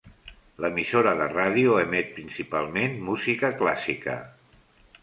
L'emissora de ràdio emet principalment música clàssica.